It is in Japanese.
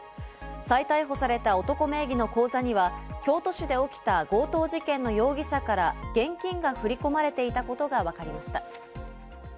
再逮捕された男名義の口座には、京都市で起きた強盗事件の容疑者から現金が振り込まれていたことがわかりました。